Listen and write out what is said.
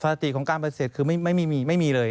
ภาษาตีของการประเศษคือไม่มีเลย